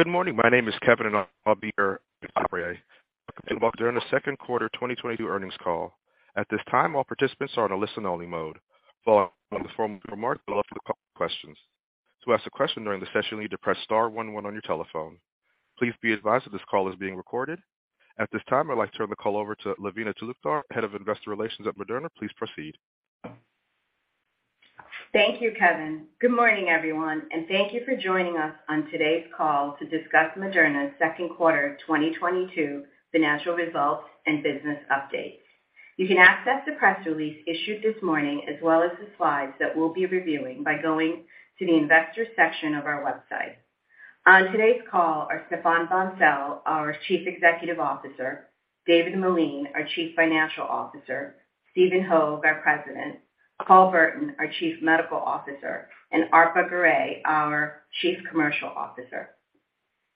Good morning. My name is Kevin, and I'll be your operator. Welcome to the Second Quarter 2022 Earnings Call. At this time, all participants are on a listen-only mode. Following the formal remarks, we'll open the call for questions. To ask a question during the session, you need to press star one one on your telephone. Please be advised that this call is being recorded. At this time, I'd like to turn the call over to Lavina Talukdar, Head of Investor Relations at Moderna. Please proceed. Thank you, Kevin. Good morning, everyone, and thank you for joining us on today's call to discuss Moderna's second quarter 2022 financial results and business updates. You can access the press release issued this morning, as well as the slides that we'll be reviewing by going to the investor section of our website. On today's call are Stéphane Bancel, our Chief Executive Officer, David Meline, our Chief Financial Officer, Stephen Hoge, our President, Paul Burton, our Chief Medical Officer, and Arpa Garay, our Chief Commercial Officer.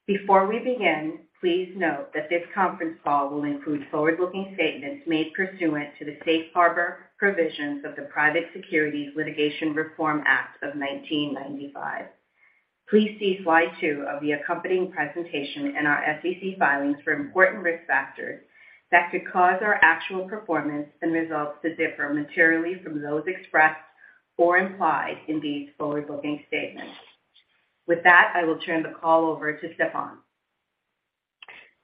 Before we begin, please note that this conference call will include forward-looking statements made pursuant to the Safe Harbor Provisions of the Private Securities Litigation Reform Act of 1995. Please see slide two of the accompanying presentation in our SEC filings for important risk factors that could cause our actual performance and results to differ materially from those expressed or implied in these forward-looking statements. With that, I will turn the call over to Stéphane.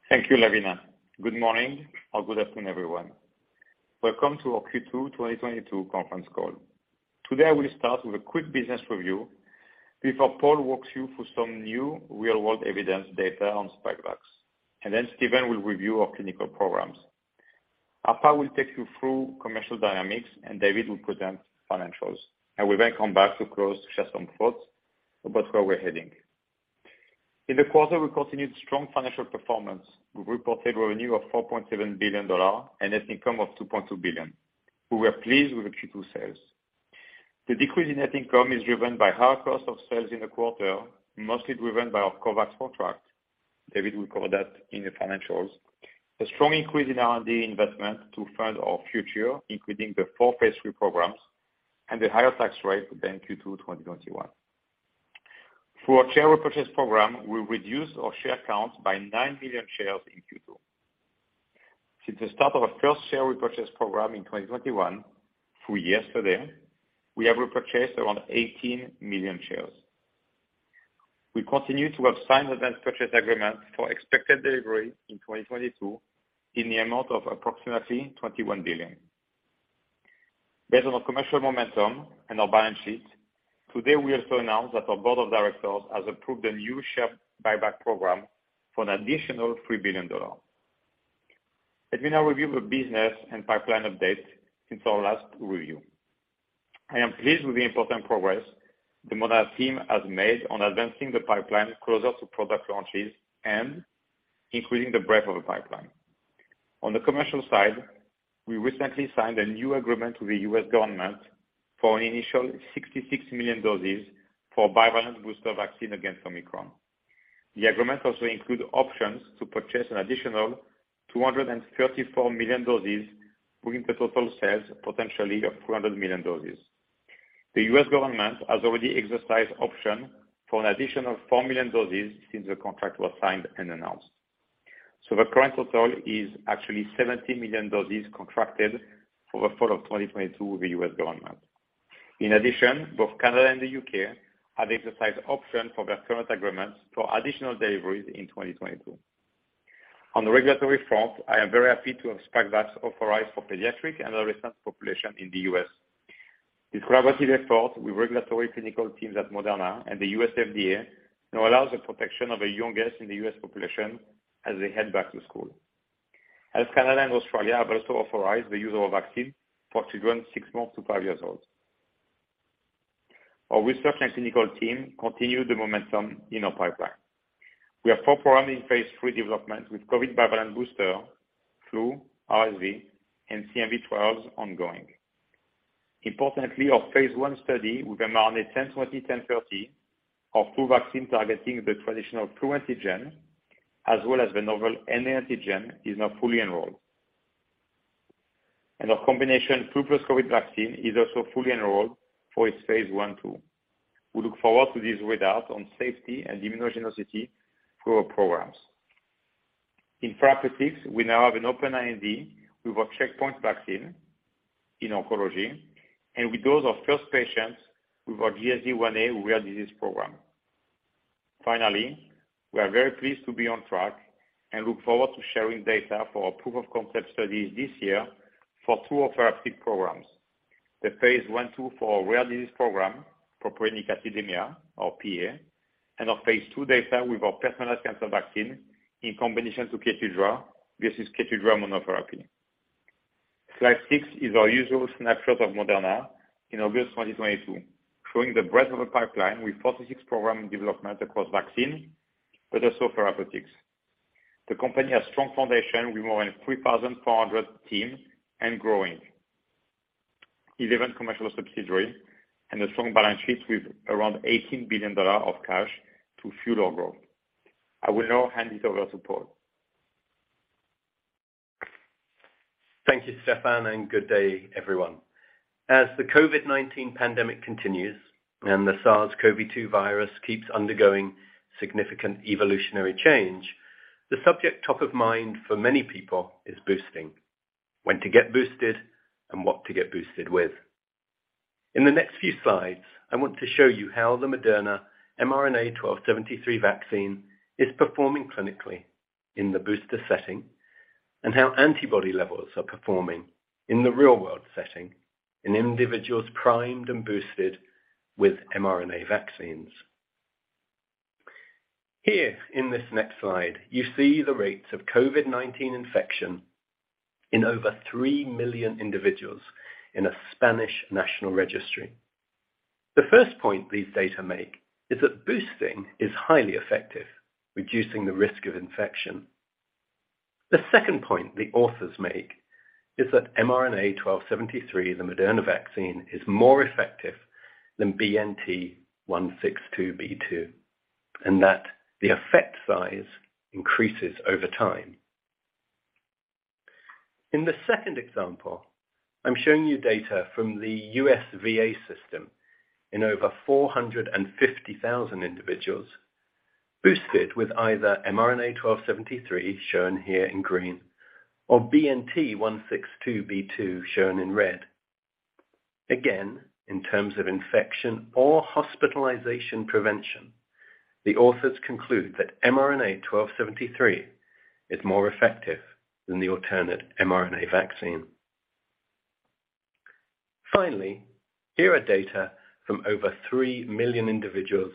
Thank you, Lavina. Good morning or good afternoon, everyone. Welcome to our Q2 2022 conference call. Today, I will start with a quick business review before Paul walks you through some new real-world evidence data on Spikevax, and then Stephen will review our clinical programs. Arpa will take you through commercial dynamics, and David will present financials. I will then come back to close, share some thoughts about where we're heading. In the quarter, we continued strong financial performance. We reported revenue of $4.7 billion and net income of $2.2 billion. We were pleased with the Q2 sales. The decrease in net income is driven by higher cost of sales in the quarter, mostly driven by our COVID contract. David will cover that in the financials. A strong increase in R&D investment to fund our future, including the four phase III programs and the higher tax rate than Q2 2021. Through our share repurchase program, we reduced our share count by 9 million shares in Q2. Since the start of our first share repurchase program in 2021, through yesterday, we have repurchased around 18 million shares. We continue to have signed advance purchase agreements for expected delivery in 2022 in the amount of approximately $21 billion. Based on our commercial momentum and our balance sheet, today we also announced that our board of directors has approved a new share buyback program for an additional $3 billion. Let me now review the business and pipeline update since our last review. I am pleased with the important progress the Moderna team has made on advancing the pipeline closer to product launches and including the breadth of the pipeline. On the commercial side, we recently signed a new agreement with the U.S. government for an initial 66 million doses for bivalent booster vaccine against Omicron. The agreement also includes options to purchase an additional 234 million doses, bringing the total sales potentially of 400 million doses. The U.S. government has already exercised option for an additional 4 million doses since the contract was signed and announced. The current total is actually 70 million doses contracted for the fall of 2022 with the U.S. government. In addition, both Canada and the U.K. have exercised option for their current agreements for additional deliveries in 2022. On the regulatory front, I am very happy to have Spikevax authorized for pediatric and other recent population in the U.S. This collaborative effort with regulatory clinical teams at Moderna and the U.S. FDA now allows the protection of the youngest in the U.S. population as they head back to school. Canada and Australia have also authorized the use of vaccine for children six months to five years old. Our research and clinical team continued the momentum in our pipeline. We have four programs in phase III development with COVID bivalent booster, flu, RSV, and CMV trials ongoing. Importantly, our phase one study with mRNA-1020/1030, our flu vaccine targeting the traditional flu antigen, as well as the novel NA antigen, is now fully enrolled. Our combination flu plus COVID vaccine is also fully enrolled for its phase I, too. We look forward to these readouts on safety and immunogenicity for our programs. In therapeutics, we now have an open IND with our checkpoint vaccine in oncology, and we dosed our first patients with our GSD1a rare disease program. Finally, we are very pleased to be on track and look forward to sharing data for our proof of concept studies this year for two of our therapeutic programs. The phase I/II for our rare disease program, propionic acidemia or PA, and our phase II data with our personalized cancer vaccine in combination to Keytruda versus Keytruda monotherapy. Slide six is our usual snapshot of Moderna in August 2022, showing the breadth of the pipeline with 46 program development across vaccine, but also therapeutics. The company has strong foundation with more than 3,400 team and growing. 11 commercial subsidiaries and a strong balance sheet with around $18 billion of cash to fuel our growth. I will now hand it over to Paul. It's Stéphane, and good day everyone. As the COVID-19 pandemic continues and the SARS-CoV-2 virus keeps undergoing significant evolutionary change, the subject top of mind for many people is boosting, when to get boosted and what to get boosted with. In the next few slides, I want to show you how the Moderna mRNA-1273 vaccine is performing clinically in the booster setting and how antibody levels are performing in the real-world setting in individuals primed and boosted with mRNA vaccines. Here in this next slide, you see the rates of COVID-19 infection in over 3 million individuals in a Spanish national registry. The first point these data make is that boosting is highly effective, reducing the risk of infection. The second point the authors make is that mRNA-1273, the Moderna vaccine, is more effective than BNT162b2, and that the effect size increases over time. In the second example, I'm showing you data from the U.S. VA system in over 450,000 individuals boosted with either mRNA-1273, shown here in green, or BNT162b2, shown in red. Again, in terms of infection or hospitalization prevention, the authors conclude that mRNA-1273 is more effective than the alternate mRNA vaccine. Finally, here are data from over 3 million individuals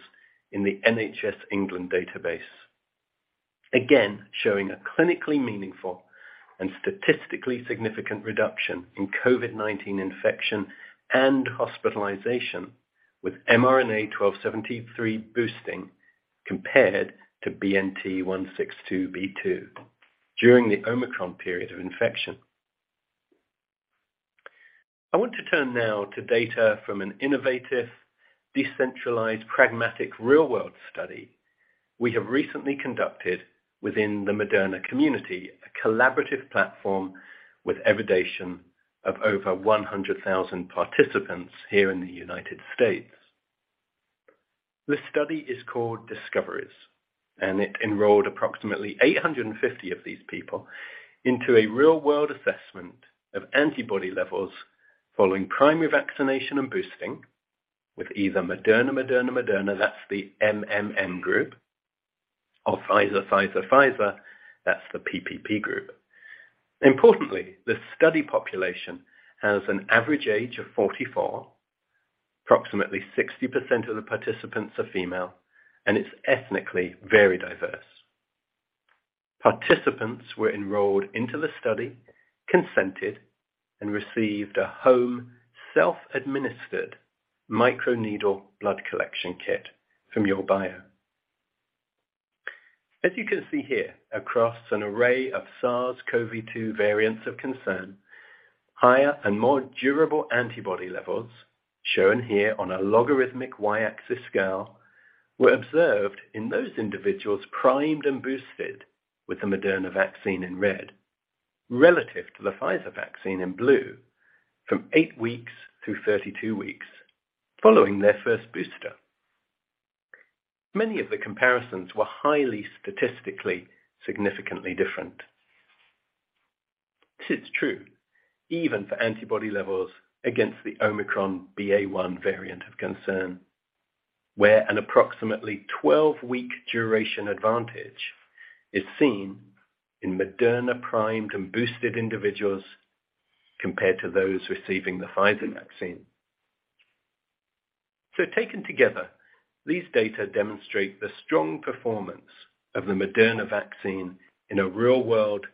in the NHS England database. Again, showing a clinically meaningful and statistically significant reduction in COVID-19 infection and hospitalization with mRNA-1273 boosting compared to BNT162b2 during the Omicron period of infection. I want to turn now to data from an innovative, decentralized, pragmatic real-world study we have recently conducted within the Moderna community, a collaborative platform with Evidation of over 100,000 participants here in the United States. This study is called Discoveries, and it enrolled approximately 850 of these people into a real-world assessment of antibody levels following primary vaccination and boosting with either Moderna, Moderna, Moderna, that's the MMM group, or Pfizer, Pfizer, Pfizer, that's the PPP group. Importantly, the study population has an average age of 44. Approximately 60% of the participants are female, and it's ethnically very diverse. Participants were enrolled into the study, consented, and received a home self-administered microneedle blood collection kit from YourBio. As you can see here, across an array of SARS-CoV-2 variants of concern, higher and more durable antibody levels, shown here on a logarithmic y-axis scale, were observed in those individuals primed and boosted with the Moderna vaccine in red, relative to the Pfizer vaccine in blue, from eight weeks through 32 weeks following their first booster. Many of the comparisons were highly statistically significantly different. This is true even for antibody levels against the Omicron BA.1 variant of concern, where an approximately 12-week duration advantage is seen in Moderna primed and boosted individuals compared to those receiving the Pfizer vaccine. Taken together, these data demonstrate the strong performance of the Moderna vaccine in a real-world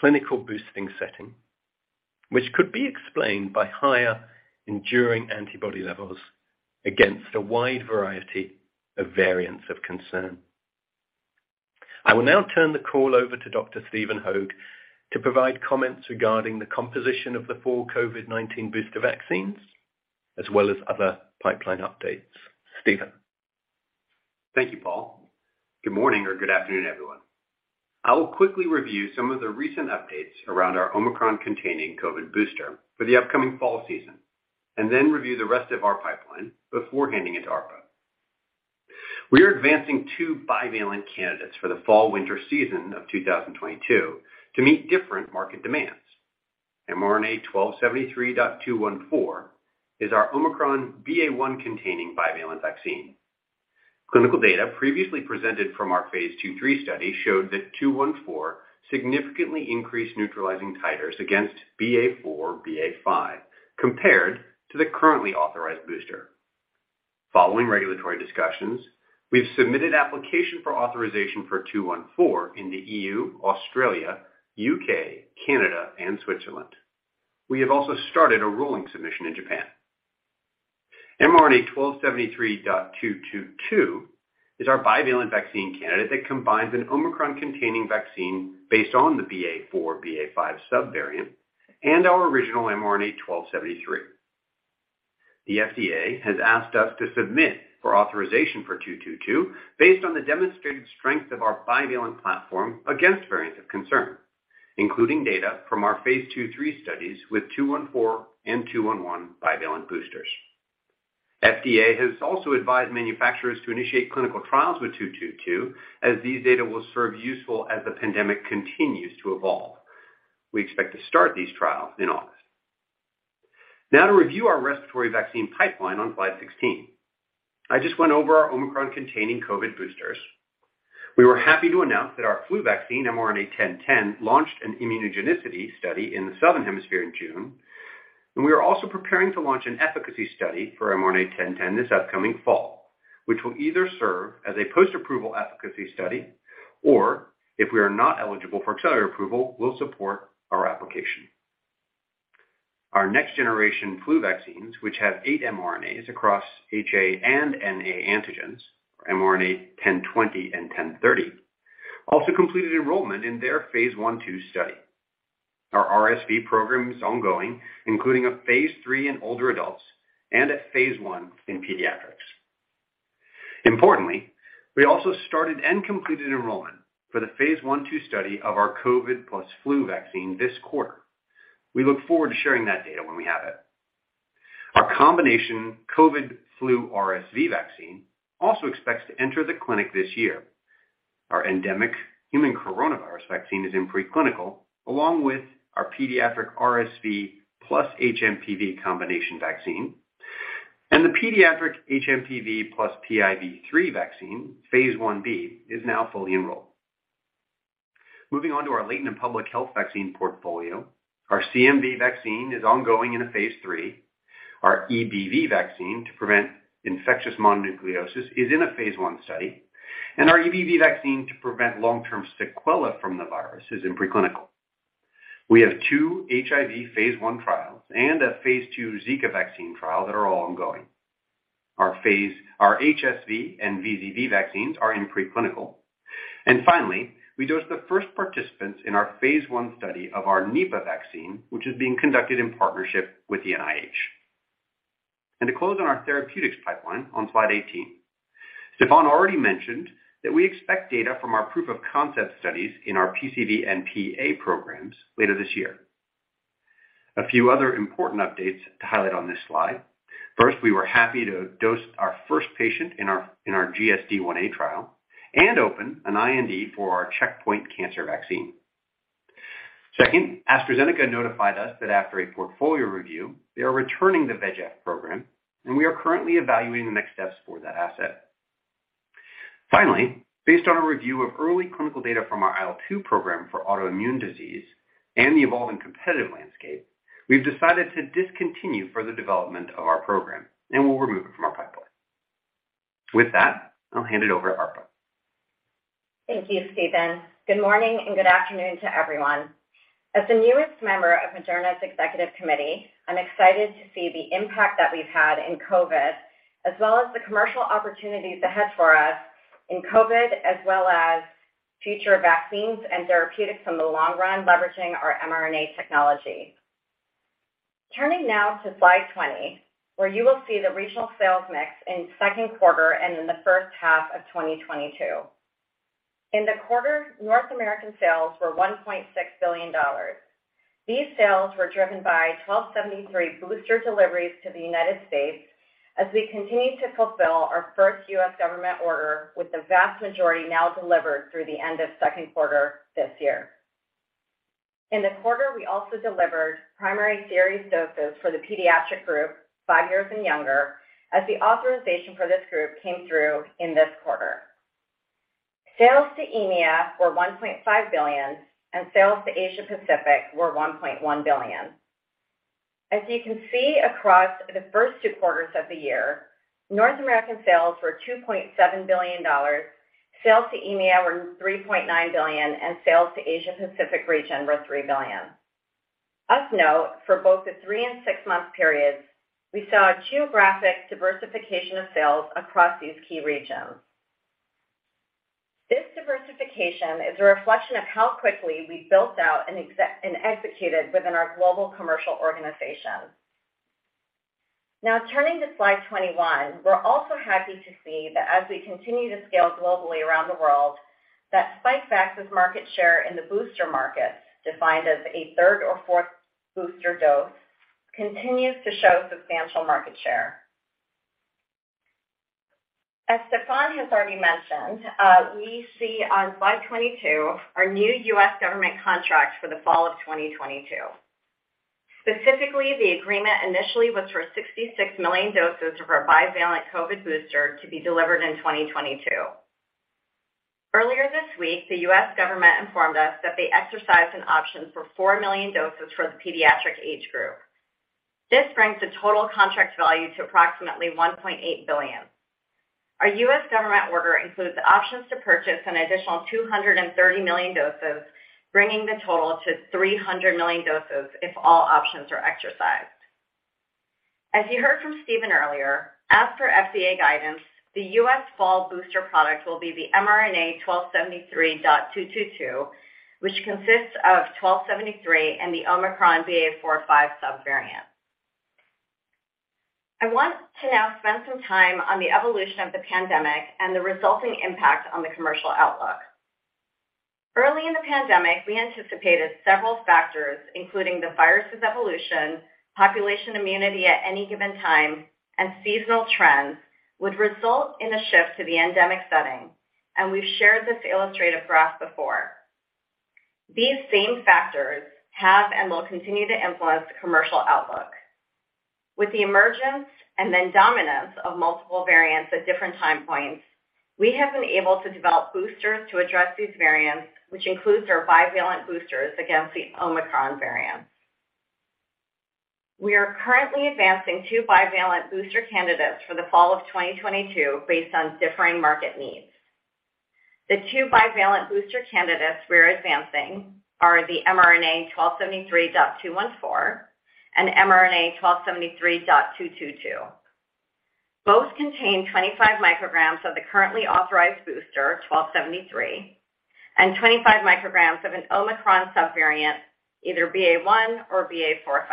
clinical boosting setting, which could be explained by higher enduring antibody levels against a wide variety of variants of concern. I will now turn the call over to Dr. Stephen Hoge to provide comments regarding the composition of the fall COVID-19 booster vaccines, as well as other pipeline updates. Stephen. Thank you, Paul. Good morning or good afternoon, everyone. I will quickly review some of the recent updates around our Omicron-containing COVID booster for the upcoming fall season, and then review the rest of our pipeline before handing it to Arpa. We are advancing two bivalent candidates for the fall/winter season of 2022 to meet different market demands. mRNA-1273.214 is our Omicron BA.1-containing bivalent vaccine. Clinical data previously presented from our phase II/III study showed that 214 significantly increased neutralizing titers against BA.4, BA.5, compared to the currently authorized booster. Following regulatory discussions, we've submitted application for authorization for 214 in the E.U., Australia, U.K., Canada, and Switzerland. We have also started a rolling submission in Japan. mRNA-1273.222 is our bivalent vaccine candidate that combines an Omicron-containing vaccine based on the BA.4, BA.5 subvariant and our original mRNA-1273. The FDA has asked us to submit for authorization for 222 based on the demonstrated strength of our bivalent platform against variants of concern, including data from our phase II/III studies with 214 and 211 bivalent boosters. FDA has also advised manufacturers to initiate clinical trials with 222, as these data will serve useful as the pandemic continues to evolve. We expect to start these trials in August. Now to review our respiratory vaccine pipeline on slide 16. I just went over our Omicron-containing COVID boosters. We were happy to announce that our flu vaccine, mRNA-1010, launched an immunogenicity study in the Southern Hemisphere in June, and we are also preparing to launch an efficacy study for mRNA-1010 this upcoming fall, which will either serve as a post-approval efficacy study or, if we are not eligible for accelerated approval, will support our application. Our next-generation flu vaccines, which have eight mRNAs across HA and NA antigens, mRNA-1020 and mRNA-1030, also completed enrollment in their phase I/II study. Our RSV program is ongoing, including a phase III in older adults and a phase I in pediatrics. Importantly, we also started and completed enrollment for the phase I/II study of our COVID plus flu vaccine this quarter. We look forward to sharing that data when we have it. Our combination COVID flu RSV vaccine also expects to enter the clinic this year. Our endemic human coronavirus vaccine is in preclinical, along with our pediatric RSV plus HMPV combination vaccine. The pediatric HMPV plus PIV3 vaccine, phase I-B, is now fully enrolled. Moving on to our latent and public health vaccine portfolio. Our CMV vaccine is ongoing in a phase III. Our EBV vaccine to prevent infectious mononucleosis is in a phase I study, and our EBV vaccine to prevent long-term sequelae from the virus is in preclinical. We have two HIV phase I trials and a phase II Zika vaccine trial that are ongoing. Our HSV and VZV vaccines are in preclinical. Finally, we dosed the first participants in our phase I study of our Nipah vaccine, which is being conducted in partnership with the NIH. To close on our therapeutics pipeline on slide 18, Stéphane already mentioned that we expect data from our proof-of-concept studies in our PCV and PA programs later this year. A few other important updates to highlight on this slide. First, we were happy to dose our first patient in our GSD1a trial and open an IND for our checkpoint cancer vaccine. Second, AstraZeneca notified us that after a portfolio review, they are returning the VEGF program, and we are currently evaluating the next steps for that asset. Finally, based on a review of early clinical data from our IL-2 program for autoimmune disease and the evolving competitive landscape, we've decided to discontinue further development of our program, and we'll remove it from our pipeline. With that, I'll hand it over to Arpa. Thank you, Stephen. Good morning and good afternoon to everyone. As the newest member of Moderna's executive committee, I'm excited to see the impact that we've had in COVID, as well as the commercial opportunities ahead for us in COVID, as well as future vaccines and therapeutics in the long run, leveraging our mRNA technology. Turning now to slide 20, where you will see the regional sales mix in second quarter and in the first half of 2022. In the quarter, North American sales were $1.6 billion. These sales were driven by mRNA-1273 booster deliveries to the United States as we continue to fulfill our first U.S. government order, with the vast majority now delivered through the end of second quarter this year. In the quarter, we also delivered primary series doses for the pediatric group, five years and younger, as the authorization for this group came through in this quarter. Sales to EMEA were $1.5 billion, and sales to Asia Pacific were $1.1 billion. As you can see across the first two quarters of the year, North American sales were $2.7 billion. Sales to EMEA were $3.9 billion, and sales to Asia Pacific region were $3 billion. Of note, for both the three and six-month periods, we saw a geographic diversification of sales across these key regions. This diversification is a reflection of how quickly we built out and executed within our global commercial organization. Now, turning to slide 21, we're also happy to see that as we continue to scale globally around the world that Spikevax's market share in the booster market, defined as a third or fourth booster dose, continues to show substantial market share. As Stéphane has already mentioned, we see on slide 22 our new U.S. government contract for the fall of 2022. Specifically, the agreement initially was for 66 million doses of our bivalent COVID booster to be delivered in 2022. Earlier this week, the U.S. government informed us that they exercised an option for 4 million doses for the pediatric age group. This brings the total contract value to approximately $1.8 billion. Our U.S. government order includes options to purchase an additional 230 million doses, bringing the total to 300 million doses if all options are exercised. As you heard from Stephen Hoge earlier. As per FDA guidance, the U.S. fall booster product will be the mRNA-1273.222, which consists of 1273 and the Omicron BA.4/5 subvariant. I want to now spend some time on the evolution of the pandemic and the resulting impact on the commercial outlook. Early in the pandemic, we anticipated several factors, including the virus's evolution, population immunity at any given time, and seasonal trends would result in a shift to the endemic setting, and we've shared this illustrative graph before. These same factors have and will continue to influence commercial outlook. With the emergence and then dominance of multiple variants at different time points, we have been able to develop boosters to address these variants, which includes our bivalent boosters against the Omicron variant. We are currently advancing two bivalent booster candidates for the fall of 2022 based on differing market needs. The two bivalent booster candidates we are advancing are the mRNA-1273.214 and mRNA-1273.222. Both contain 25 micrograms of the currently authorized booster, 1273, and 25 micrograms of an Omicron subvariant, either BA.1 or BA.4/5.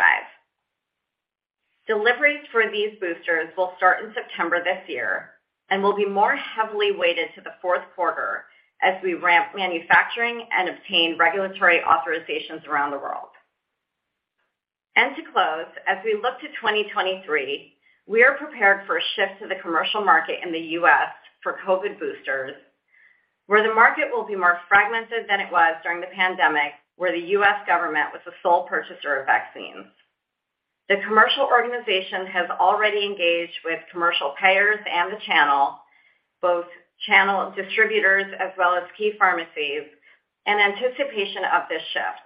Deliveries for these boosters will start in September this year and will be more heavily weighted to the fourth quarter as we ramp manufacturing and obtain regulatory authorizations around the world. To close, as we look to 2023, we are prepared for a shift to the commercial market in the U.S. for COVID boosters, where the market will be more fragmented than it was during the pandemic, where the U.S. government was the sole purchaser of vaccines. The commercial organization has already engaged with commercial payers and the channel, both channel distributors as well as key pharmacies, in anticipation of this shift.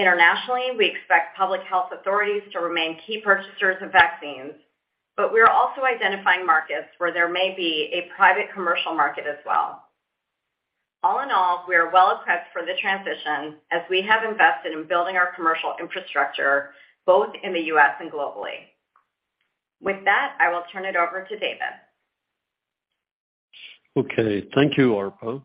Internationally, we expect public health authorities to remain key purchasers of vaccines, but we are also identifying markets where there may be a private commercial market as well. All in all, we are well equipped for the transition as we have invested in building our commercial infrastructure both in the U.S. and globally. With that, I will turn it over to David. Okay. Thank you, Arpa.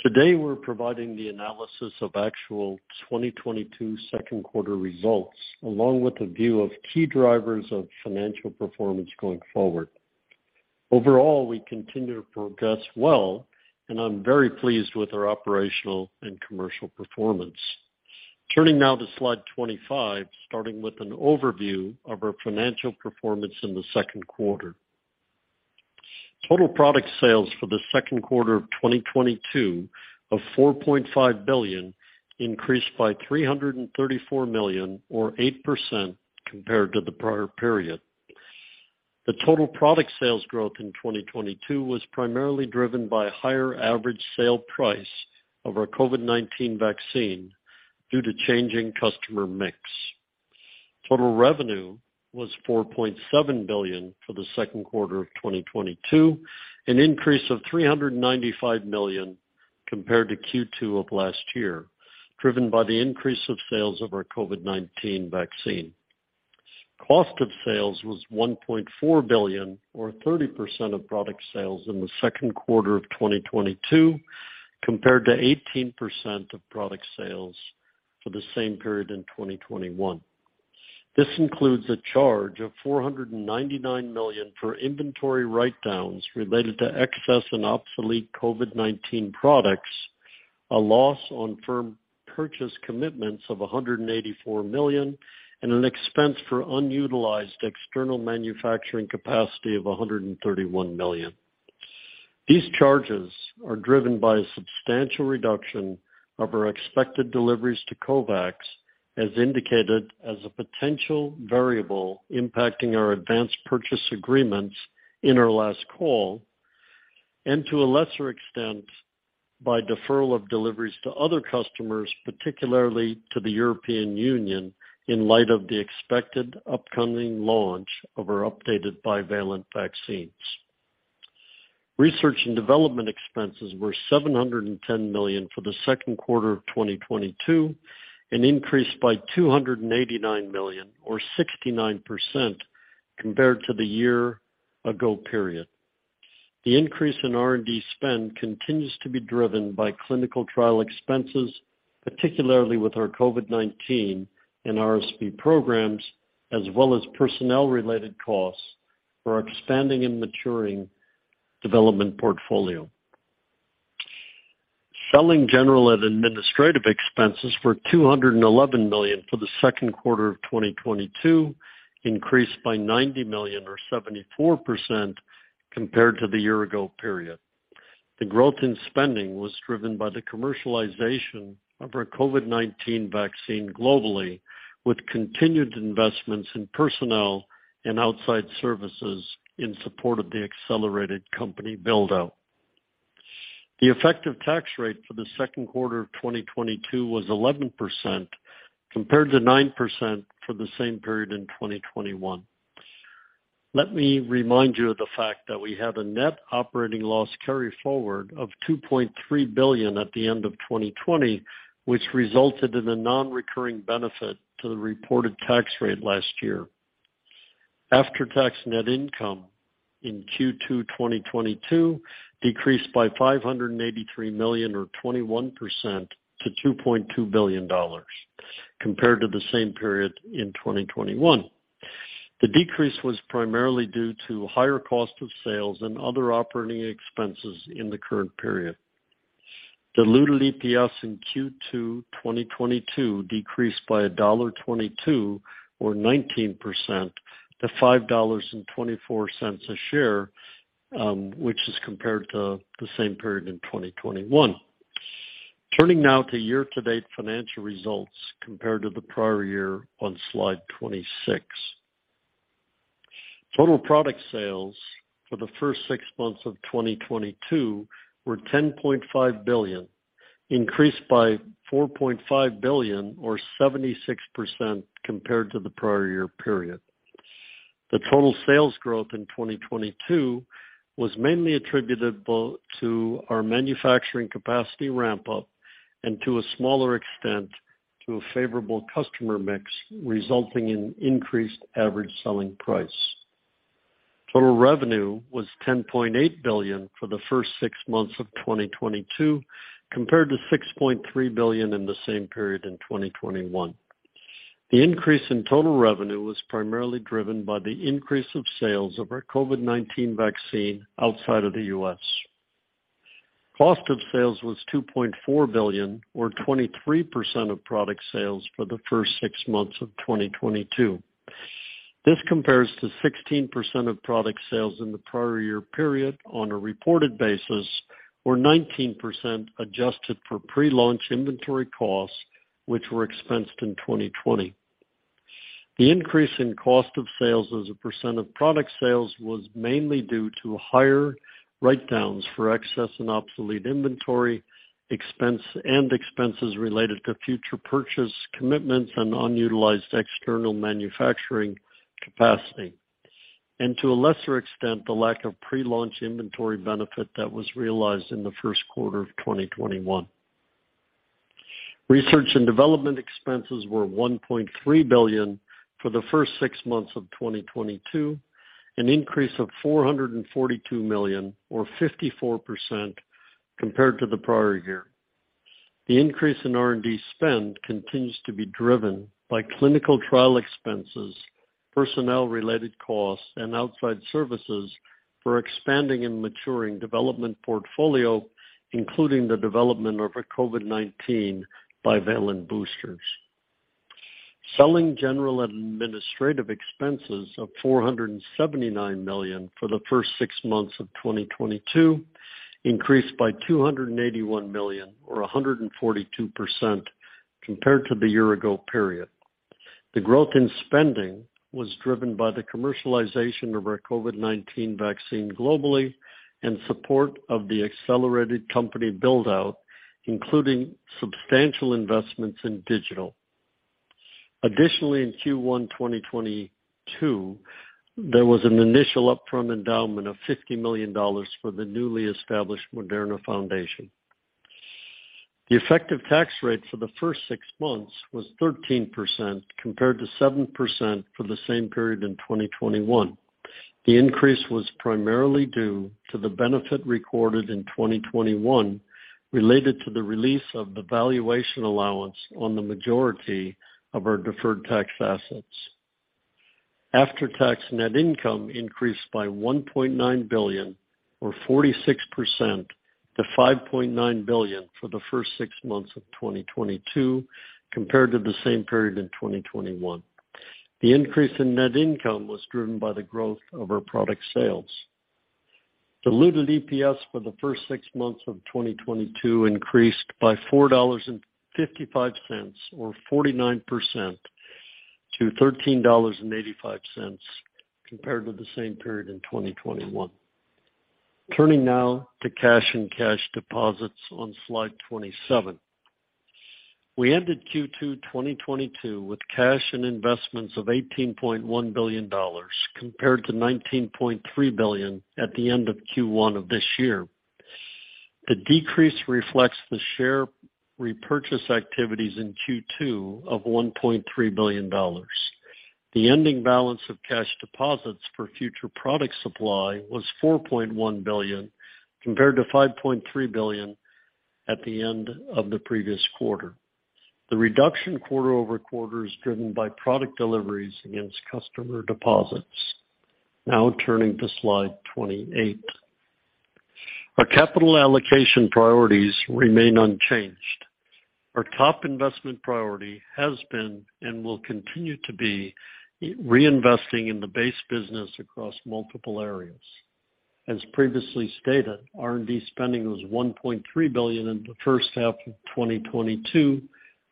Today, we're providing the analysis of actual 2022 second quarter results, along with a view of key drivers of financial performance going forward. Overall, we continue to progress well, and I'm very pleased with our operational and commercial performance. Turning now to slide 25, starting with an overview of our financial performance in the second quarter. Total product sales for the second quarter of 2022 of $4.5 billion increased by $334 million or 8% compared to the prior period. The total product sales growth in 2022 was primarily driven by higher average sale price of our COVID-19 vaccine due to changing customer mix. Total revenue was $4.7 billion for the second quarter of 2022, an increase of $395 million compared to Q2 of last year, driven by the increase of sales of our COVID-19 vaccine. Cost of sales was $1.4 billion or 30% of product sales in the second quarter of 2022, compared to 18% of product sales for the same period in 2021. This includes a charge of $499 million for inventory write-downs related to excess and obsolete COVID-19 products, a loss on firm purchase commitments of $184 million, and an expense for unutilized external manufacturing capacity of $131 million. These charges are driven by a substantial reduction of our expected deliveries to COVAX, as indicated as a potential variable impacting our advanced purchase agreements in our last call, and to a lesser extent, by deferral of deliveries to other customers, particularly to the European Union, in light of the expected upcoming launch of our updated bivalent vaccines. Research and development expenses were $710 million for the second quarter of 2022, an increase of $289 million or 69% compared to the year-ago period. The increase in R&D spend continues to be driven by clinical trial expenses, particularly with our COVID-19 and RSV programs, as well as personnel-related costs for our expanding and maturing development portfolio. Selling, general, and administrative expenses were $211 million for the second quarter of 2022, increased by $90 million or 74% compared to the year-ago period. The growth in spending was driven by the commercialization of our COVID-19 vaccine globally, with continued investments in personnel and outside services in support of the accelerated company build-out. The effective tax rate for the second quarter of 2022 was 11%, compared to 9% for the same period in 2021. Let me remind you of the fact that we have a net operating loss carryforward of $2.3 billion at the end of 2020, which resulted in a non-recurring benefit to the reported tax rate last year. After-tax net income in Q2 2022 decreased by $583 million or 21% to $2.2 billion compared to the same period in 2021. The decrease was primarily due to higher cost of sales and other operating expenses in the current period. Diluted EPS in Q2 2022 decreased by $1.22 or 19% to $5.24 a share, which is compared to the same period in 2021. Turning now to year-to-date financial results compared to the prior year on slide 26. Total product sales for the first six months of 2022 were $10.5 billion, increased by $4.5 billion or 76% compared to the prior year period. Total sales growth in 2022 was mainly attributable to our manufacturing capacity ramp up and to a smaller extent, to a favorable customer mix, resulting in increased average selling price. Total revenue was $10.8 billion for the first six months of 2022, compared to $6.3 billion in the same period in 2021. The increase in total revenue was primarily driven by the increase of sales of our COVID-19 vaccine outside of the U.S. Cost of sales was $2.4 billion or 23% of product sales for the first six months of 2022. This compares to 16% of product sales in the prior year period on a reported basis, or 19% adjusted for pre-launch inventory costs, which were expensed in 2020. The increase in cost of sales as a percent of product sales was mainly due to higher write-downs for excess and obsolete inventory, expenses related to future purchase commitments and unutilized external manufacturing capacity, and to a lesser extent, the lack of pre-launch inventory benefit that was realized in the first quarter of 2021. Research and development expenses were $1.3 billion for the first six months of 2022, an increase of $442 million or 54% compared to the prior year. The increase in R&D spend continues to be driven by clinical trial expenses, personnel-related costs, and outside services for expanding and maturing development portfolio, including the development of our COVID-19 bivalent boosters. Selling general and administrative expenses of $479 million for the first six months of 2022 increased by $281 million or 142% compared to the year ago period. The growth in spending was driven by the commercialization of our COVID-19 vaccine globally and support of the accelerated company build-out, including substantial investments in digital. Additionally, in Q1 2022, there was an initial upfront endowment of $50 million for the newly established Moderna Foundation. The effective tax rate for the first six months was 13%, compared to 7% for the same period in 2021. The increase was primarily due to the benefit recorded in 2021 related to the release of the valuation allowance on the majority of our deferred tax assets. After-tax net income increased by $1.9 billion or 46% to $5.9 billion for the first six months of 2022 compared to the same period in 2021. The increase in net income was driven by the growth of our product sales. Diluted EPS for the first six months of 2022 increased by $4.55 or 49% to $13.85 compared to the same period in 2021. Turning now to cash and cash deposits on slide 27. We ended Q2 2022 with cash and investments of $18.1 billion, compared to $19.3 billion at the end of Q1 of this year. The decrease reflects the share repurchase activities in Q2 of $1.3 billion. The ending balance of cash deposits for future product supply was $4.1 billion, compared to $5.3 billion at the end of the previous quarter. The reduction quarter-over-quarter is driven by product deliveries against customer deposits. Now turning to slide 28. Our capital allocation priorities remain unchanged. Our top investment priority has been and will continue to be reinvesting in the base business across multiple areas. As previously stated, R&D spending was $1.3 billion in the first half of 2022,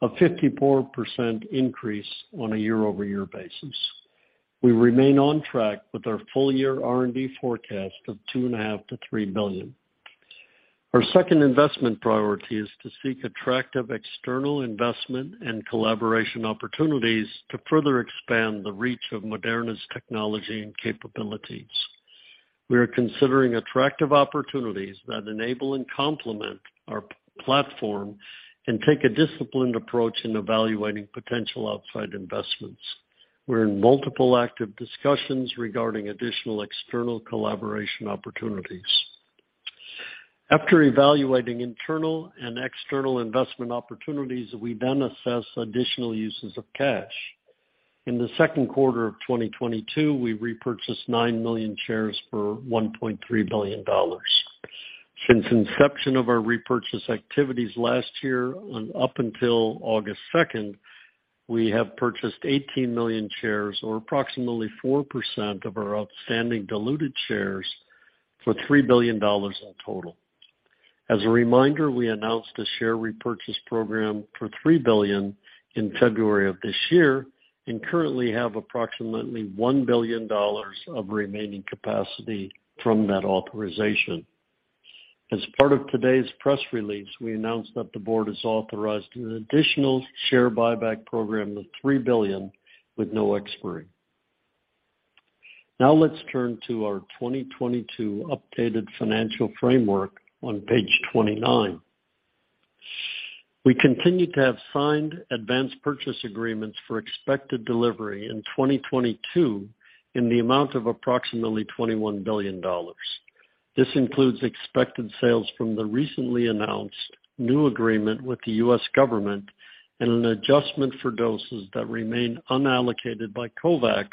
a 54% increase on a year-over-year basis. We remain on track with our full year R&D forecast of $2.5 billion-$3 billion. Our second investment priority is to seek attractive external investment and collaboration opportunities to further expand the reach of Moderna's technology and capabilities. We are considering attractive opportunities that enable and complement our platform and take a disciplined approach in evaluating potential outside investments. We're in multiple active discussions regarding additional external collaboration opportunities. After evaluating internal and external investment opportunities, we then assess additional uses of cash. In the second quarter of 2022, we repurchased 9 million shares for $1.3 billion. Since inception of our repurchase activities last year up until August 2nd, we have purchased 18 million shares, or approximately 4% of our outstanding diluted shares for $3 billion in total. As a reminder, we announced a share repurchase program for $3 billion in February of this year and currently have approximately $1 billion of remaining capacity from that authorization. As part of today's press release, we announced that the board has authorized an additional share buyback program of $3 billion with no expiry. Now let's turn to our 2022 updated financial framework on page 29. We continue to have signed advanced purchase agreements for expected delivery in 2022 in the amount of approximately $21 billion. This includes expected sales from the recently announced new agreement with the U.S. government and an adjustment for doses that remain unallocated by COVAX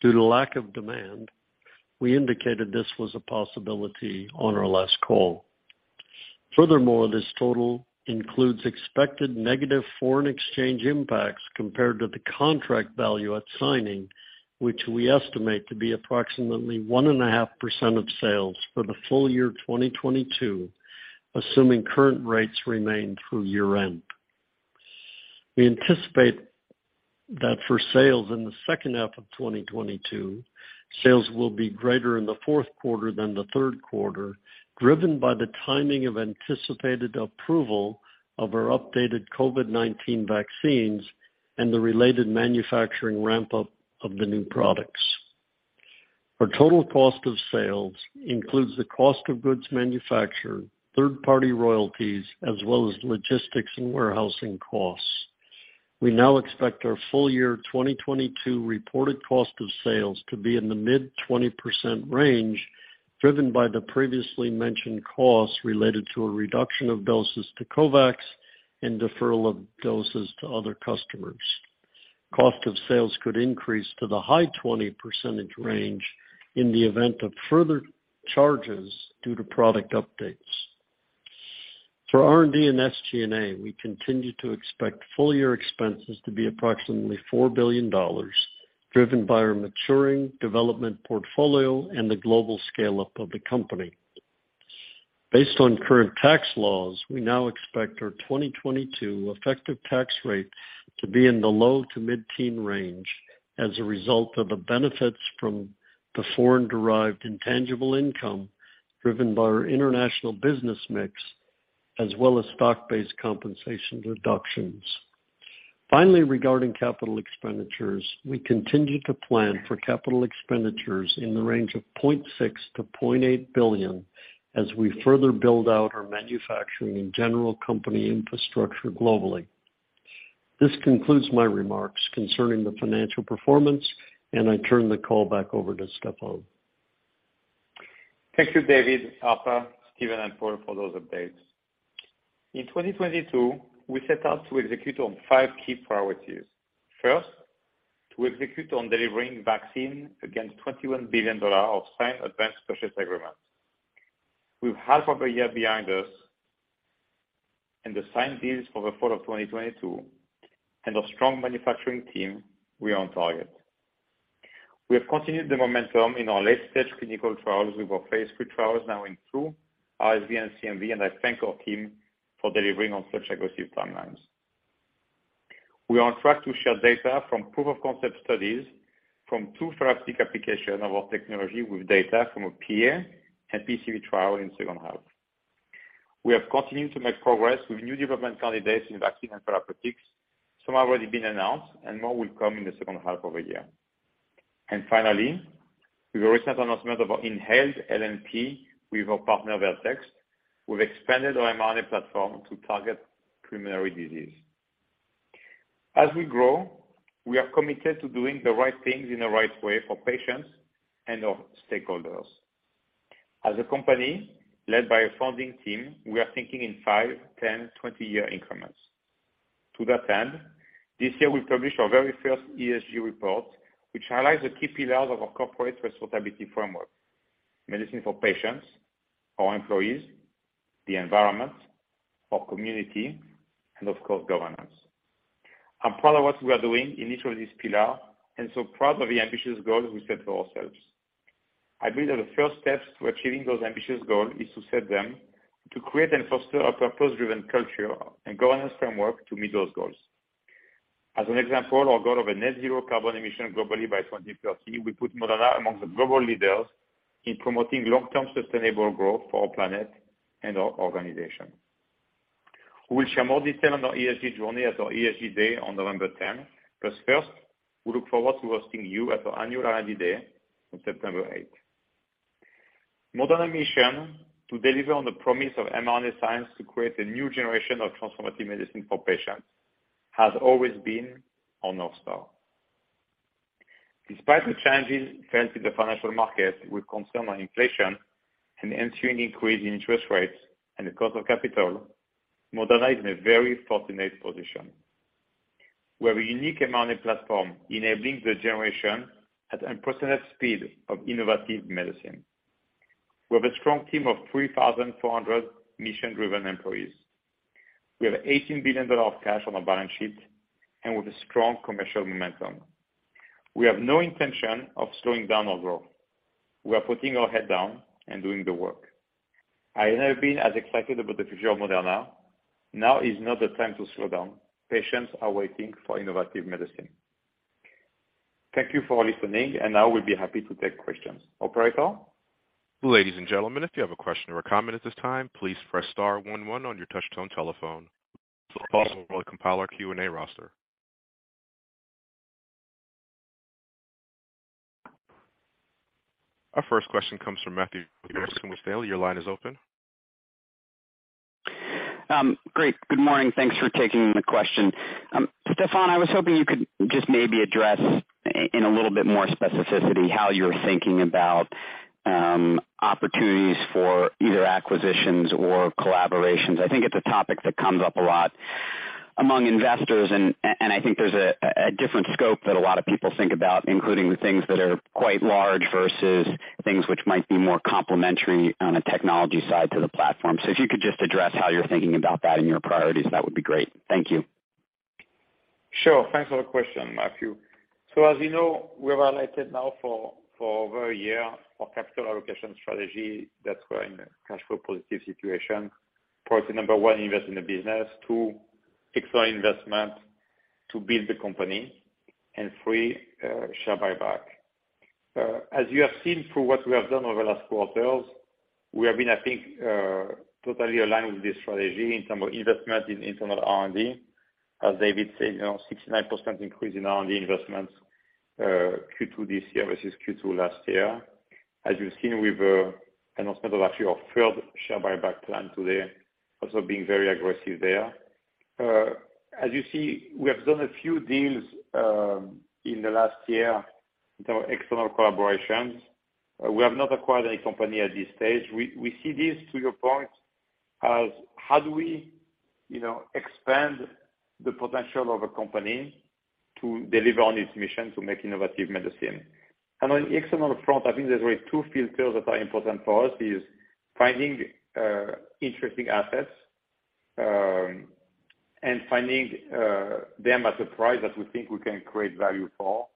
due to lack of demand. We indicated this was a possibility on our last call. Furthermore, this total includes expected negative foreign exchange impacts compared to the contract value at signing, which we estimate to be approximately 1.5% of sales for the full year 2022, assuming current rates remain through year-end. We anticipate that for sales in the second half of 2022, sales will be greater in the fourth quarter than the third quarter, driven by the timing of anticipated approval of our updated COVID-19 vaccines and the related manufacturing ramp-up of the new products. Our total cost of sales includes the cost of goods manufactured, third-party royalties, as well as logistics and warehousing costs. We now expect our full year 2022 reported cost of sales to be in the mid-20% range, driven by the previously mentioned costs related to a reduction of doses to COVAX and deferral of doses to other customers. Cost of sales could increase to the high-20% range in the event of further charges due to product updates. For R&D and SG&A, we continue to expect full year expenses to be approximately $4 billion, driven by our maturing development portfolio and the global scale-up of the company. Based on current tax laws, we now expect our 2022 effective tax rate to be in the low to mid-teen range as a result of the benefits from the foreign-derived intangible income driven by our international business mix as well as stock-based compensation reductions. Finally, regarding capital expenditures, we continue to plan for capital expenditures in the range of $0.6 billion-$0.8 billion as we further build out our manufacturing and general company infrastructure globally. This concludes my remarks concerning the financial performance, and I turn the call back over to Stéphane. Thank you, David, Arpa, Stephen, and Paul for those updates. In 2022, we set out to execute on five key priorities. First, to execute on delivering vaccines against $21 billion of signed advanced purchase agreements. With half of the year behind us and the signed deals for the fall of 2022 and a strong manufacturing team, we are on target. We have continued the momentum in our late-stage clinical trials with our phase III trials now in two, RSV and CMV, and I thank our team for delivering on such aggressive timelines. We are on track to share data from proof of concept studies from two therapeutic applications of our technology with data from a peer at PCV trial in second half. We have continued to make progress with new development candidates in vaccines and therapeutics. Some have already been announced, and more will come in the second half of the year. Finally, with the recent announcement of our inhaled LNP with our partner Vertex, we've expanded our mRNA platform to target pulmonary disease. As we grow, we are committed to doing the right things in the right way for patients and our stakeholders. As a company led by a founding team, we are thinking in five, 10, 20-year increments. To that end, this year we published our very first ESG report, which highlights the key pillars of our corporate responsibility framework, medicine for patients, our employees, the environment, our community, and of course, governance. I'm proud of what we are doing in each of these pillars, and so proud of the ambitious goals we set for ourselves. I believe that the first steps to achieving those ambitious goals is to set them to create and foster a purpose-driven culture and governance framework to meet those goals. As an example, our goal of a net zero carbon emission globally by 2030. We put Moderna among the global leaders in promoting long-term sustainable growth for our planet and our organization. We'll share more detail on our ESG journey at our ESG day on November 10. First, we look forward to hosting you at our annual R&D day on September 8. Moderna's mission to deliver on the promise of mRNA science to create a new generation of transformative medicine for patients has always been our North Star. Despite the challenges faced in the financial market with concern on inflation and ensuing increase in interest rates and the cost of capital, Moderna is in a very fortunate position. We have a unique mRNA platform enabling the generation at unprecedented speed of innovative medicine. We have a strong team of 3,400 mission-driven employees. We have $18 billion of cash on our balance sheet and with a strong commercial momentum. We have no intention of slowing down our growth. We are putting our head down and doing the work. I have never been as excited about the future of Moderna. Now is not the time to slow down. Patients are waiting for innovative medicine. Thank you for listening, and now we'll be happy to take questions. Operator? Ladies and gentlemen, if you have a question or comment at this time, please press star one one on your touchtone telephone. Also, while we compile our Q&A roster. Our first question comes from Matthew Harrison with BofA. Your line is open. Great. Good morning. Thanks for taking the question. Stéphane, I was hoping you could just maybe address in a little bit more specificity how you're thinking about opportunities for either acquisitions or collaborations. I think it's a topic that comes up a lot among investors and I think there's a different scope that a lot of people think about, including the things that are quite large versus things which might be more complementary on a technology side to the platform. If you could just address how you're thinking about that in your priorities, that would be great. Thank you. Sure. Thanks for the question, Matthew. As you know, we've highlighted now for over a year our capital allocation strategy that we're in a cash flow positive situation. Priority number one, invest in the business. Two, external investment to build the company, and three, share buyback. As you have seen through what we have done over the last quarters, we have been, I think, totally aligned with this strategy in terms of investment in internal R&D. As David said, you know, 69% increase in R&D investments, Q2 this year versus Q2 last year. As you've seen with the announcement of actually our third share buyback plan today, also being very aggressive there. As you see, we have done a few deals, in the last year with our external collaborations. We have not acquired any company at this stage. We see this, to your point, as how do we, you know, expand the potential of a company to deliver on its mission to make innovative medicine. On the external front, I think there's really two filters that are important for us is finding interesting assets, and finding them at a price that we think we can create value for.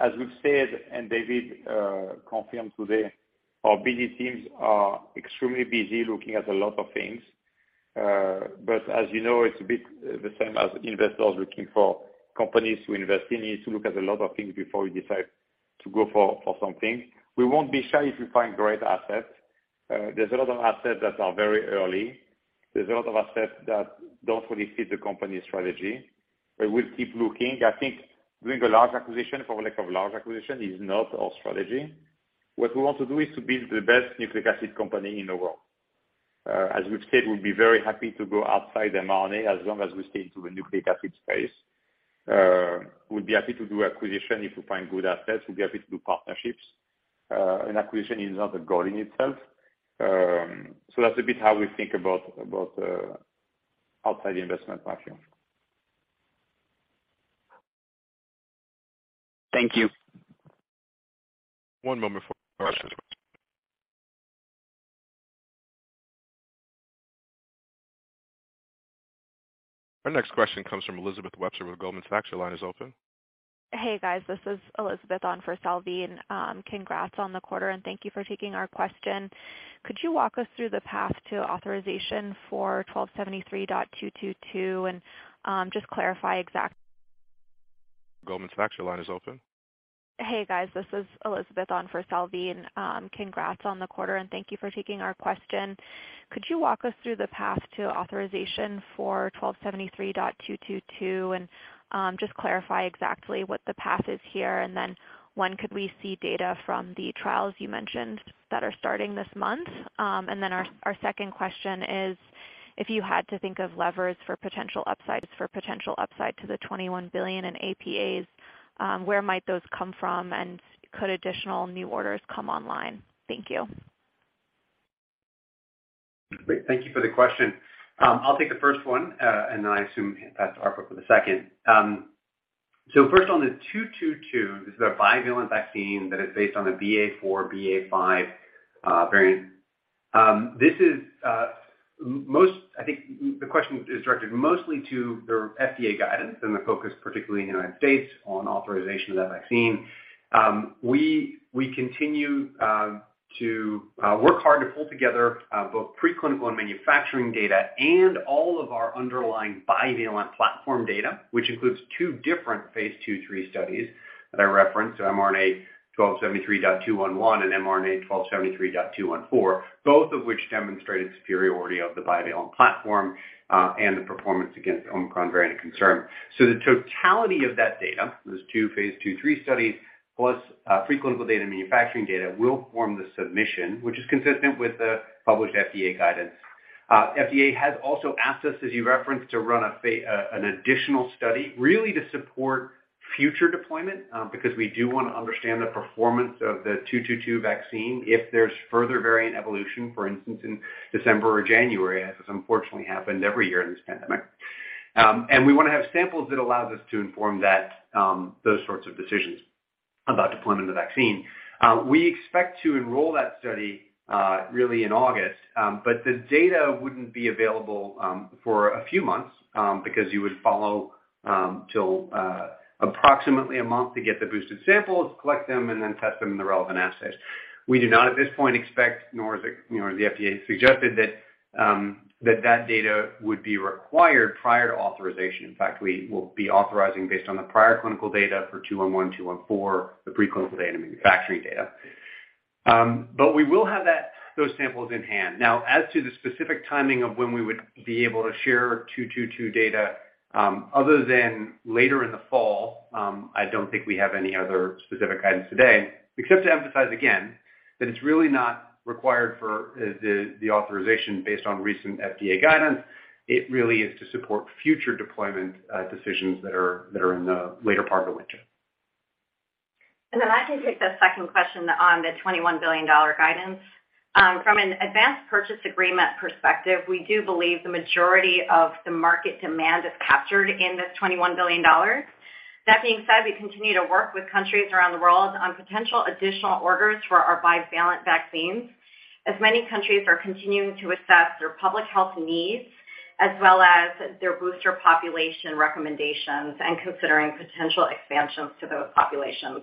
As we've said, and David confirmed today, our BD teams are extremely busy looking at a lot of things. As you know, it's a bit the same as investors looking for companies to invest in, is to look at a lot of things before you decide to go for something. We won't be shy if we find great assets. There's a lot of assets that are very early. There's a lot of assets that don't really fit the company's strategy. We'll keep looking. I think doing a large acquisition for lack of large acquisition is not our strategy. What we want to do is to build the best nucleic acid company in the world. As we've said, we'll be very happy to go outside mRNA as long as we stay to the nucleic acid space. We'll be happy to do acquisition if we find good assets. We'll be happy to do partnerships. An acquisition is not a goal in itself. That's a bit how we think about outside investment, Matthew. Thank you. One moment for our next question. Our next question comes from Elizabeth Webster with Goldman Sachs. Your line is open. Hey, guys, this is Elizabeth on for Salveen, and congrats on the quarter, and thank you for taking our question. Could you walk us through the path to authorization for 1273.222 and just clarify exact Goldman Sachs, your line is open. Hey, guys, this is Elizabeth on for Salveen, and congrats on the quarter and thank you for taking our question. Could you walk us through the path to authorization for 1273.222 and just clarify exactly what the path is here? Then when could we see data from the trials you mentioned that are starting this month? Then our second question is if you had to think of levers for potential upsides for potential upside to the $21 billion in APAs, where might those come from and could additional new orders come online? Thank you. Great. Thank you for the question. I'll take the first one, and then I assume pass to Arpa for the second. First on the 222, this is a bivalent vaccine that is based on the BA.4, BA.5 variant. This is most I think the question is directed mostly to the FDA guidance and the focus, particularly in the United States on authorization of that vaccine. We continue to work hard to pull together both preclinical and manufacturing data and all of our underlying bivalent platform data, which includes two different phase II/III studies that I referenced, mRNA-1273.211 and mRNA-1273.214, both of which demonstrated superiority of the bivalent platform, and the performance against Omicron variants of concern. The totality of that data, those two phase II/III studies plus preclinical data and manufacturing data, will form the submission, which is consistent with the published FDA guidance. FDA has also asked us, as you referenced, to run an additional study really to support future deployment, because we do wanna understand the performance of the 222 vaccine if there's further variant evolution, for instance, in December or January, as has unfortunately happened every year in this pandemic. We wanna have samples that allows us to inform that, those sorts of decisions about deployment of the vaccine. We expect to enroll that study, really in August. The data wouldn't be available, for a few months, because you would follow till approximately a month to get the boosted samples, collect them, and then test them in the relevant assays. We do not, at this point, expect nor is it, you know, the FDA suggested that that data would be required prior to authorization. In fact, we will be authorizing based on the prior clinical data for 211, 214, the pre-clinical data, manufacturing data. But we will have that, those samples in hand. Now, as to the specific timing of when we would be able to share 222 data, other than later in the fall, I don't think we have any other specific guidance today, except to emphasize again that it's really not required for the authorization based on recent FDA guidance. It really is to support future deployment decisions that are in the later part of the winter. I can take the second question on the $21 billion guidance. From an advanced purchase agreement perspective, we do believe the majority of the market demand is captured in this $21 billion. That being said, we continue to work with countries around the world on potential additional orders for our bivalent vaccines, as many countries are continuing to assess their public health needs, as well as their booster population recommendations and considering potential expansions to those populations.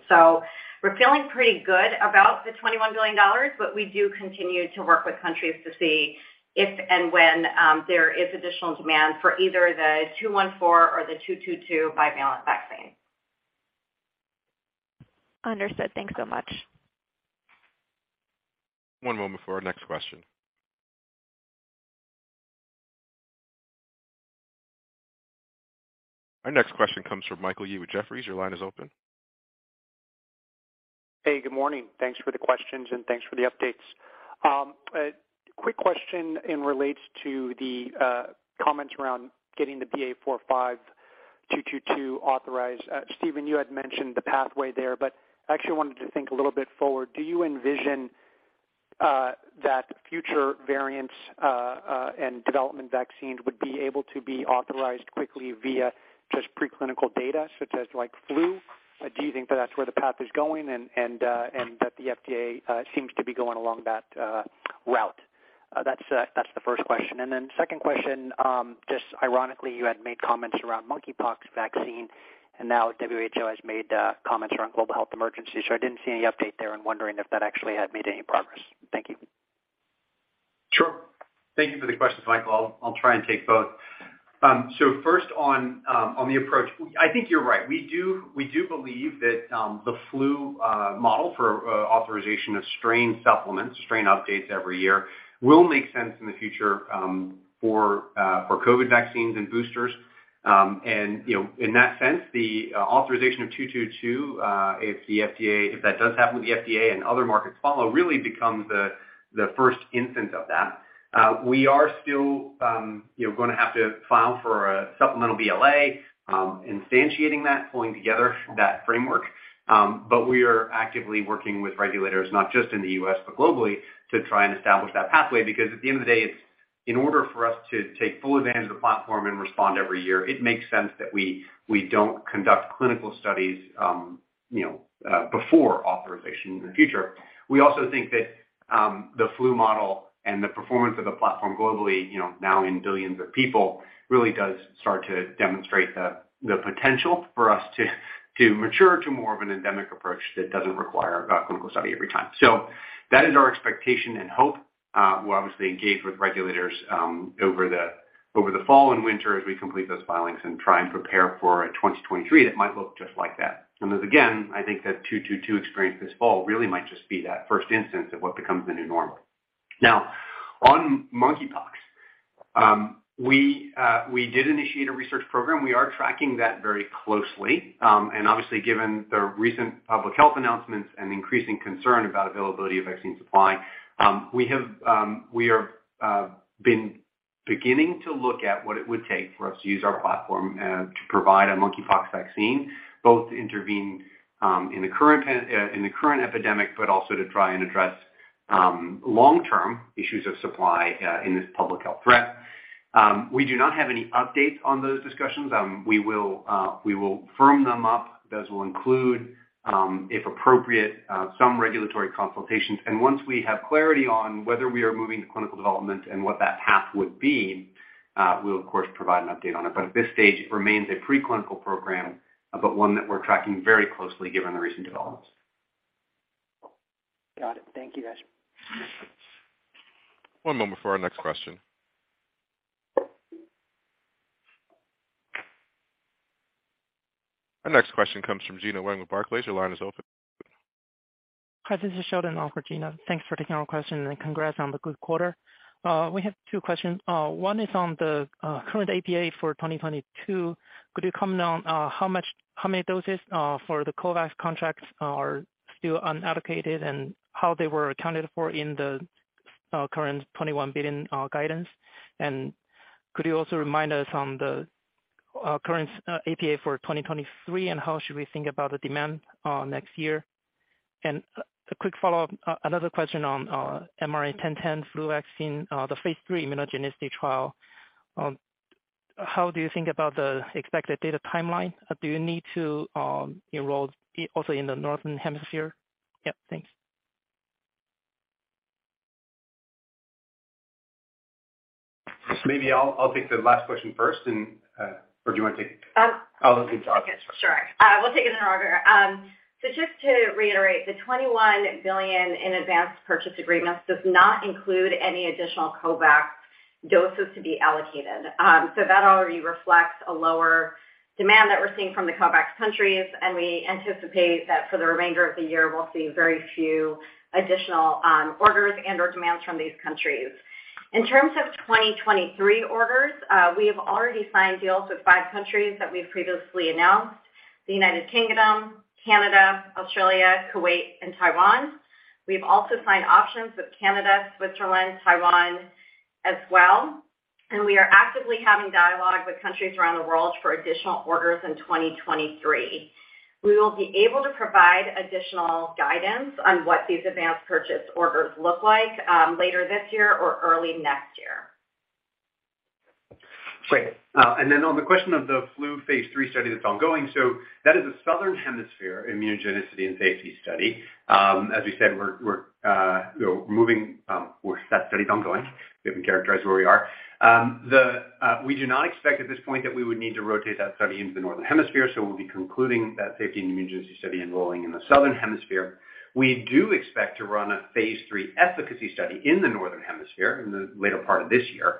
We're feeling pretty good about the $21 billion, but we do continue to work with countries to see if and when there is additional demand for either the 214 or the 222 bivalent vaccine. Understood. Thanks so much. One moment for our next question. Our next question comes from Michael Yee with Jefferies. Your line is open. Hey, good morning. Thanks for the questions, and thanks for the updates. A quick question that relates to the comments around getting the BA.4/5 222 authorized. Stephen, you had mentioned the pathway there, but I actually wanted to think a little bit forward. Do you envision that future variants and development vaccines would be able to be authorized quickly via just preclinical data such as like flu? Do you think that that's where the path is going and that the FDA seems to be going along that route? That's the first question. Then second question, just ironically, you had made comments around monkeypox vaccine, and now WHO has made comments around global health emergencies. I didn't see any update there and wondering if that actually had made any progress. Thank you. Sure. Thank you for the questions, Michael. I'll try and take both. So first on the approach, I think you're right. We do believe that the flu model for authorization of strain supplements, strain updates every year will make sense in the future for COVID vaccines and boosters. You know, in that sense, the authorization of 222, if that does happen with the FDA and other markets follow, really becomes the first instance of that. We are still gonna have to file for a supplemental BLA, instantiating that, pulling together that framework. We are actively working with regulators, not just in the U.S.but globally to try and establish that pathway because at the end of the day, it's in order for us to take full advantage of the platform and respond every year. It makes sense that we don't conduct clinical studies, you know, before authorization in the future. We also think that the flu model and the performance of the platform globally, you know, now in billions of people, really does start to demonstrate the potential for us to mature to more of an endemic approach that doesn't require a clinical study every time. That is our expectation and hope. We'll obviously engage with regulators over the fall and winter as we complete those filings and try and prepare for a 2023 that might look just like that. Then again, I think that 222 experience this fall really might just be that first instance of what becomes the new normal. Now on monkeypox. We did initiate a research program. We are tracking that very closely. Obviously, given the recent public health announcements and increasing concern about availability of vaccine supply, we have been beginning to look at what it would take for us to use our platform to provide a monkeypox vaccine, both to intervene in the current epidemic, but also to try and address long-term issues of supply in this public health threat. We do not have any updates on those discussions. We will firm them up. Those will include, if appropriate, some regulatory consultations. Once we have clarity on whether we are moving to clinical development and what that path would be, we'll of course provide an update on it. At this stage, it remains a pre-clinical program, but one that we're tracking very closely given the recent developments. Got it. Thank you, guys. One moment for our next question. Our next question comes from Gena Wang with Barclays. Your line is open. Hi, this is Sheldon on for Gena. Thanks for taking my question, and congrats on the good quarter. We have two questions. One is on the current APA for 2022. Could you comment on how many doses for the COVAX contracts are still unallocated and how they were accounted for in the current $21 billion guidance? Could you also remind us on the current APA for 2023, and how should we think about the demand next year? And a quick follow-up. Another question on mRNA-1010 flu vaccine, the phase III immunogenicity trial. How do you think about the expected data timeline? Do you need to enroll also in the Northern Hemisphere? Yep. Thanks. Maybe I'll take the last question first. Or do you wanna take it? Um. I'll let you talk. Sure. We'll take it in order. Just to reiterate, the $21 billion in advanced purchase agreements does not include any additional COVAX doses to be allocated. That already reflects a lower demand that we're seeing from the COVAX countries, and we anticipate that for the remainder of the year, we'll see very few additional orders and/or demands from these countries. In terms of 2023 orders, we have already signed deals with five countries that we've previously announced, the United Kingdom, Canada, Australia, Kuwait, and Taiwan. We've also signed options with Canada, Switzerland, Taiwan as well, and we are actively having dialogue with countries around the world for additional orders in 2023. We will be able to provide additional guidance on what these advanced purchase orders look like, later this year or early next year. Great. Then on the question of the flu phase III study that's ongoing, that is a Southern Hemisphere immunogenicity and safety study. As we said, we're you know moving or that study's ongoing. We haven't characterized where we are. We do not expect at this point that we would need to rotate that study into the Northern Hemisphere, we'll be concluding that safety and immunogenicity study enrolling in the Southern Hemisphere. We do expect to run a phase III efficacy study in the Northern Hemisphere in the later part of this year.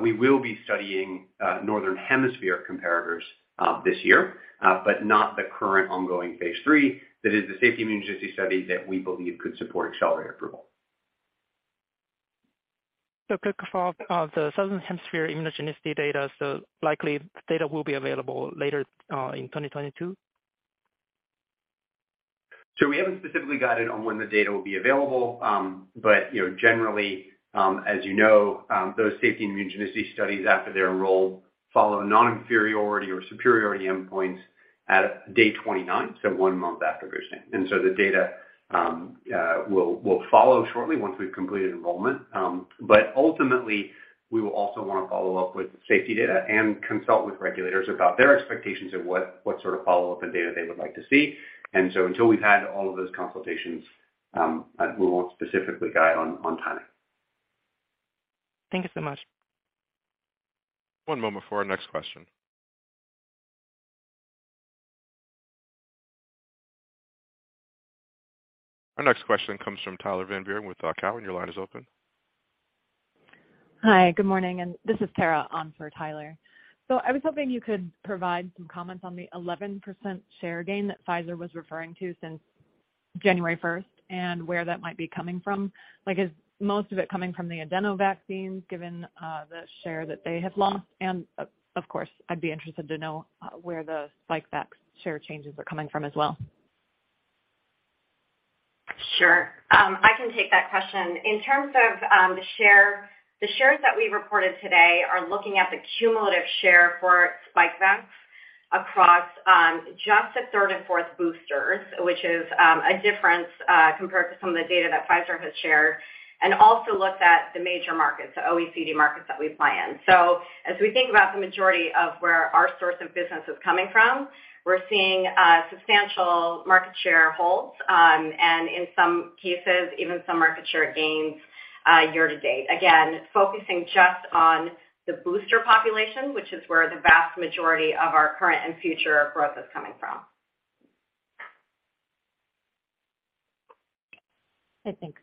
We will be studying Northern Hemisphere comparators this year, but not the current ongoing phase III. That is the safety immunogenicity study that we believe could support accelerated approval. A quick follow-up. The Southern Hemisphere immunogenicity data, so likely data will be available later in 2022? We haven't specifically guided on when the data will be available. You know, generally, as you know, those safety and immunogenicity studies after they're enrolled follow non-inferiority or superiority endpoints at day 29, so one month after their scan. The data will follow shortly once we've completed enrollment. But ultimately, we will also wanna follow up with safety data and consult with regulators about their expectations of what sort of follow-up and data they would like to see. Until we've had all of those consultations, we won't specifically guide on timing. Thank you so much. One moment for our next question. Our next question comes from Tyler Van Buren with Cowen. Your line is open. Hi, good morning. This is Tara on for Tyler. I was hoping you could provide some comments on the 11% share gain that Pfizer was referring to since January 1st and where that might be coming from. Like is most of it coming from the adeno vaccines given the share that they have lost? Of course, I'd be interested to know where the Spikevax share changes are coming from as well. Sure. I can take that question. In terms of the shares that we reported today are looking at the cumulative share for Spikevax across just the third and fourth boosters, which is a difference compared to some of the data that Pfizer has shared, and also looked at the major markets, the OECD markets that we play in. As we think about the majority of where our source of business is coming from, we're seeing substantial market share holds and in some cases, even some market share gains year to date. Again, focusing just on the booster population, which is where the vast majority of our current and future growth is coming from. Okay, thanks.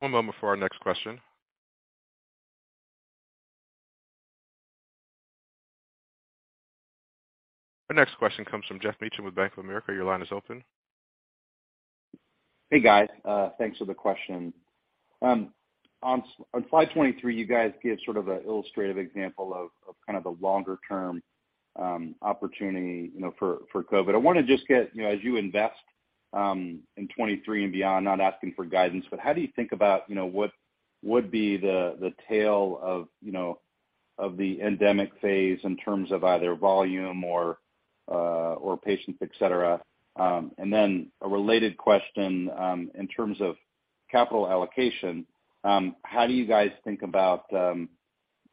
One moment for our next question. Our next question comes from Geoff Meacham with Bank of America. Your line is open. Hey, guys. Thanks for the question. On slide 23, you guys give sort of a illustrative example of kind of the longer term opportunity, you know, for COVID. I wanna just get, you know, as you invest in 2023 and beyond, not asking for guidance, but how do you think about, you know, what would be the tail of, you know, of the endemic phase in terms of either volume or patients, et cetera? A related question, in terms of capital allocation, how do you guys think about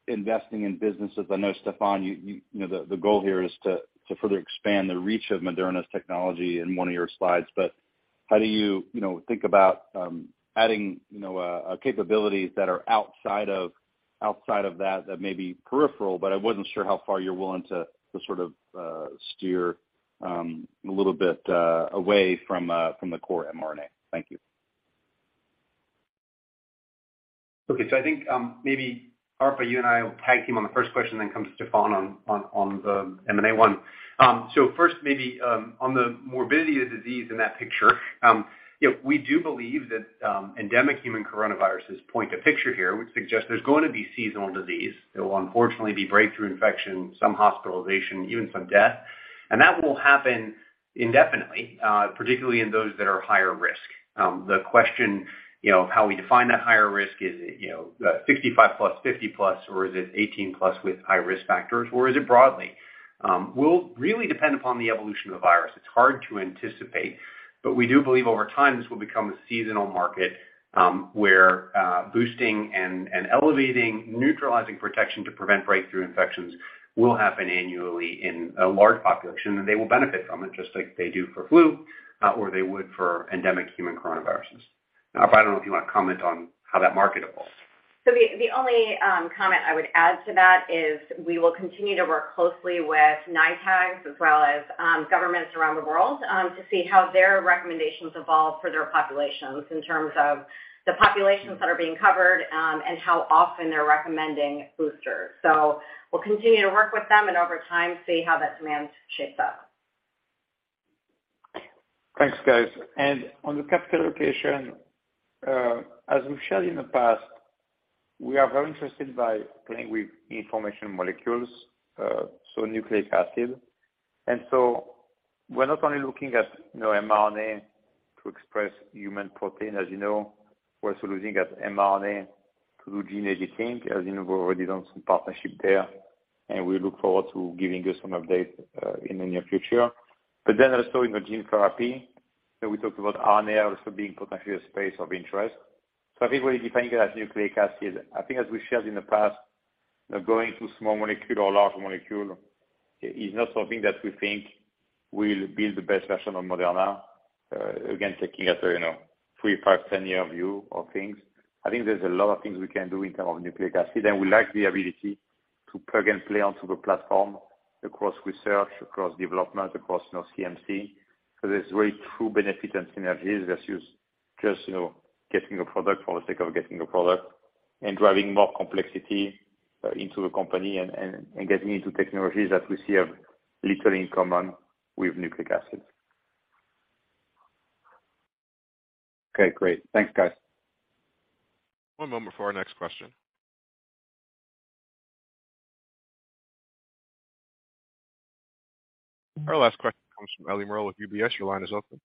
investing in businesses? I know, Stéphane, you know, the goal here is to further expand the reach of Moderna's technology in one of your slides. How do you know, think about adding, you know, capabilities that are outside of that may be peripheral, but I wasn't sure how far you're willing to sort of steer a little bit away from the core mRNA. Thank you. I think maybe Arpa, you and I will tag team on the first question, then come to Stéphane on the mRNA one. First maybe on the morbidity of the disease in that picture, you know, we do believe that endemic human coronaviruses point to a picture here, which suggests there's going to be seasonal disease. There will unfortunately be breakthrough infection, some hospitalization, even some death, and that will happen indefinitely, particularly in those that are higher risk. The question, you know, of how we define that higher risk, is it, you know, 65+, 50+, or is it 18+ with high-risk factors, or is it broadly? Will really depend upon the evolution of the virus. It's hard to anticipate, but we do believe over time this will become a seasonal market, where boosting and elevating neutralizing protection to prevent breakthrough infections will happen annually in a large population, and they will benefit from it just like they do for flu, or they would for endemic human coronaviruses. Now, I don't know if you wanna comment on how that market evolves. The only comment I would add to that is we will continue to work closely with NITAG as well as governments around the world to see how their recommendations evolve for their populations in terms of the populations that are being covered and how often they're recommending boosters. We'll continue to work with them and over time see how that demand shapes up. Thanks, guys. On the capital allocation, as we've shared in the past, we are very interested by playing with information molecules, so nucleic acid. We're not only looking at, you know, mRNA to express human protein as you know. We're also looking at mRNA through gene editing. As you know, we've already done some partnership there, and we look forward to giving you some update in the near future. Also in the gene therapy, you know, we talked about RNA also being potentially a space of interest. I think we're defining it as nucleic acid. I think as we shared in the past, you know, going to small molecule or large molecule is not something that we think will be the best version of Moderna. Again, taking after, you know, three, five, 10-year view of things. I think there's a lot of things we can do in terms of nucleic acid, and we like the ability to plug and play onto the platform across research, across development, across, you know, CMC. There's very true benefit and synergies versus just, you know, getting a product for the sake of getting a product and driving more complexity into the company and getting into technologies that we see have little in common with nucleic acids. Okay, great. Thanks, guys. One moment for our next question. Our last question comes from Ellie Merle with UBS. Your line is open.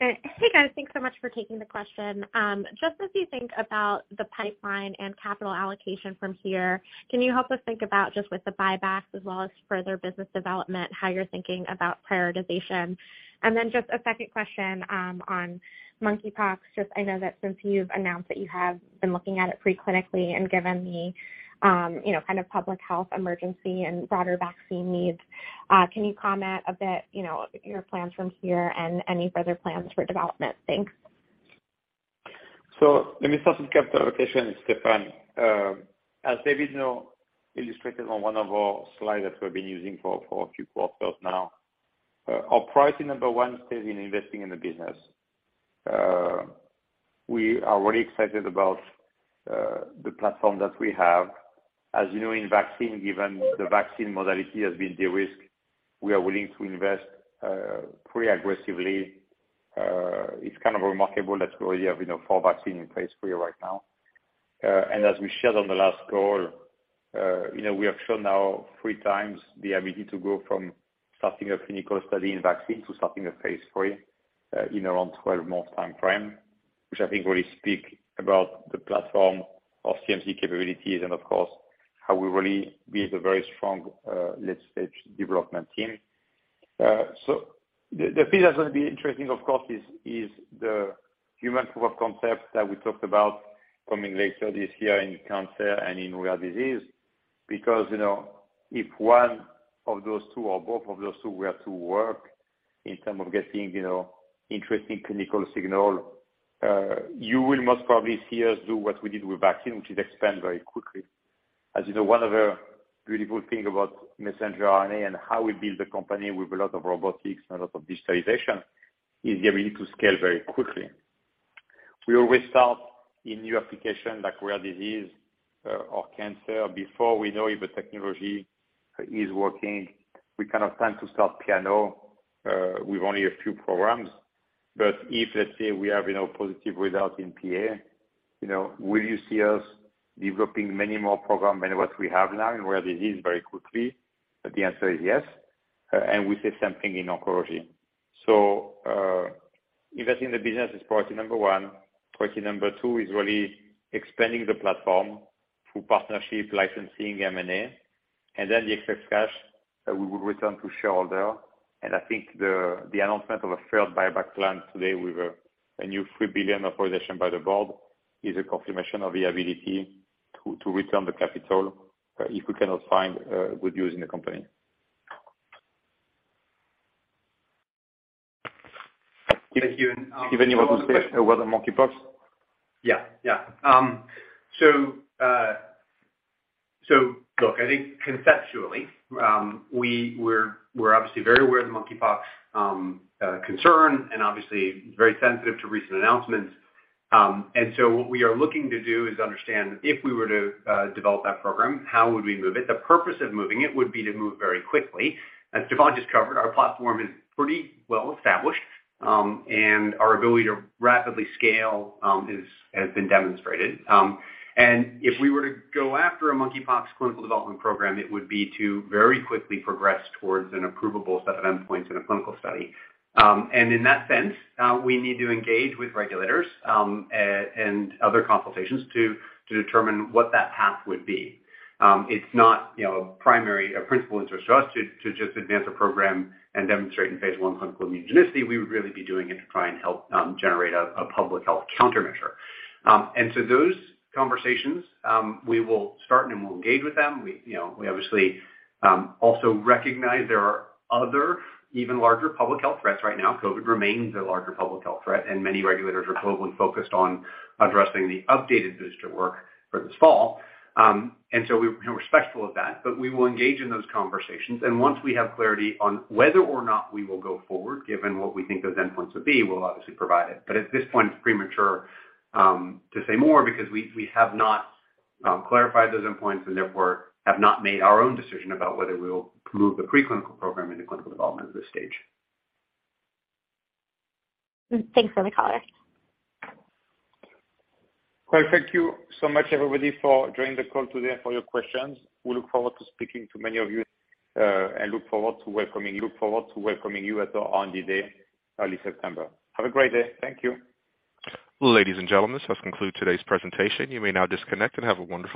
Hey, guys. Thanks so much for taking the question. Just as you think about the pipeline and capital allocation from here, can you help us think about just with the buybacks as well as further business development, how you're thinking about prioritization? Just a second question, on monkeypox. Just I know that since you've announced that you have been looking at it pre-clinically and given the, you know, kind of public health emergency and broader vaccine needs, can you comment a bit, you know, your plans from here and any further plans for development? Thanks. Let me start with capital allocation, Stéphane. As David, you know, illustrated on one of our slides that we've been using for a few quarters now, our priority number one stays in investing in the business. We are really excited about the platform that we have. As you know, in vaccine, given the vaccine modality has been de-risked, we are willing to invest pretty aggressively. It's kind of remarkable that we already have, you know, four vaccine in phase III right now. As we shared on the last call, you know, we have shown now three times the ability to go from starting a clinical study in vaccine to starting a phase III in around 12-month timeframe, which I think really speaks about the platform of CMC capabilities and of course how we really build a very strong late-stage development team. The piece that's gonna be interesting of course is the human proof of concept that we talked about coming later this year in cancer and in rare disease because, you know, if one of those two or both of those two were to work in terms of getting, you know, interesting clinical signal, you will most probably see us do what we did with vaccine, which is expand very quickly. As you know, one other beautiful thing about messenger RNA and how we build the company with a lot of robotics and a lot of digitalization is the ability to scale very quickly. We always start in new application like rare disease or cancer before we know if a technology is working. We cannot plan to start in PA with only a few programs. If let's say we have, you know, positive results in PA, you know, will you see us developing many more program than what we have now in rare disease very quickly? The answer is yes. We say same thing in oncology. Investing in the business is priority number one. Priority number two is really expanding the platform through partnership licensing, M&A, and then the excess cash that we will return to shareholder. I think the announcement of a third buyback plan today with a new $3 billion authorization by the board is a confirmation of the ability to return the capital if we cannot find good use in the company. Thank you. Stephen, you want to say a word on monkeypox? Look, I think conceptually, we're obviously very aware of the monkeypox concern and obviously very sensitive to recent announcements. What we are looking to do is understand if we were to develop that program, how would we move it? The purpose of moving it would be to move very quickly. As Stéphane just covered, our platform is pretty well established, and our ability to rapidly scale has been demonstrated. If we were to go after a monkeypox clinical development program, it would be to very quickly progress towards an approvable set of endpoints in a clinical study. In that sense, we need to engage with regulators and other consultations to determine what that path would be. It's not, you know, primary or principal interest to us to just advance a program and demonstrate in phase one clinical immunogenicity. We would really be doing it to try and help generate a public health countermeasure. Those conversations, we will start and we'll engage with them. We, you know, we obviously also recognize there are other even larger public health threats right now. COVID remains a larger public health threat, and many regulators are totally focused on addressing the updated booster work for this fall. We're, you know, respectful of that, but we will engage in those conversations. Once we have clarity on whether or not we will go forward, given what we think those endpoints would be, we'll obviously provide it. At this point it's premature to say more because we have not clarified those endpoints and therefore have not made our own decision about whether we'll move the preclinical program into clinical development at this stage. Thanks, then the caller. Well, thank you so much everybody for joining the call today and for your questions. We look forward to speaking to many of you, and look forward to welcoming you at the R&D Day early September. Have a great day. Thank you. Ladies and gentlemen, this has concluded today's presentation. You may now disconnect and have a wonderful day.